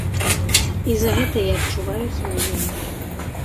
І за гэта я адчуваю сваю віну.